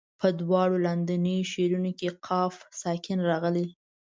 په دواړو لاندنیو شعرونو کې قاف ساکن راغلی.